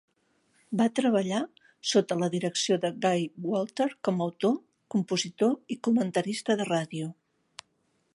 Va treballar sota la direcció de Guy Walter com autor, compositor i comentarista de ràdio.